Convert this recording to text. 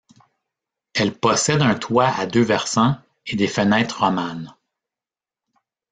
Elle possède un toit à deux versants et des fenêtres romanes.